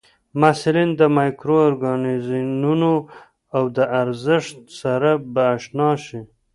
محصلین د مایکرو ارګانیزمونو او د ارزښت سره به اشنا شي.